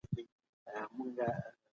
اسلام بشپړ دین دی.